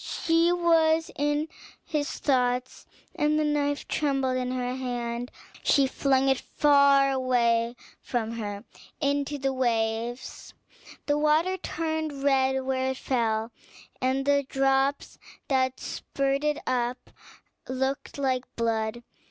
She was in his thoughts, and the knife trembled in the hand of the little mermaid: then she flung it far away from her into the waves; the water turned red where it fell, and the drops that spurted up looked like blood.